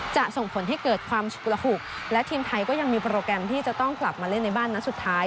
ส่งผลให้เกิดความกระหุกและทีมไทยก็ยังมีโปรแกรมที่จะต้องกลับมาเล่นในบ้านนัดสุดท้าย